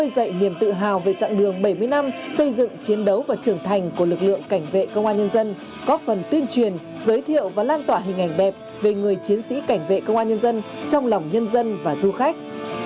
dạy niềm tự hào về chặng đường bảy mươi năm xây dựng chiến đấu và trưởng thành của lực lượng cảnh vệ công an nhân dân góp phần tuyên truyền giới thiệu và lan tỏa hình ảnh đẹp về người chiến sĩ cảnh vệ công an nhân dân trong lòng nhân dân và du khách